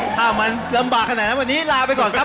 ถ้ามันลำบากขนาดนั้นวันนี้ลาไปก่อนครับ